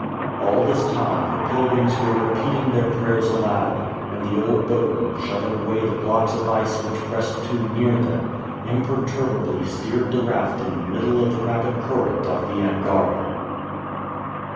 All this time the pilgrims were repeating their prayers aloud, and the old boatman, shoving away the blocks of ice which pressed too near them, imperturbably steered the raft in the middle of the rapid current of the Angara.